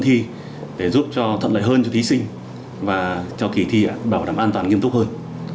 kỹ thi để giúp cho thận lợi hơn cho thí sinh và cho kỹ thi bảo đảm an toàn nghiêm túc hơn